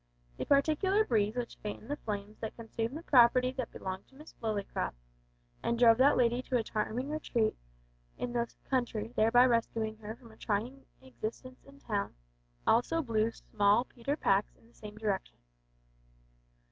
The particular breeze which fanned the flames that consumed the property that belonged to Miss Lillycrop, and drove that lady to a charming retreat in the country thereby rescuing her from a trying existence in town, also blew small Peter Pax in the same direction.